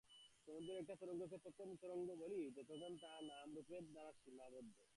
সমুদ্রের একটা তরঙ্গকে ততক্ষণই তরঙ্গ বলি, যতক্ষণ তা নাম-রূপের দ্বারা সীমাবদ্ধ।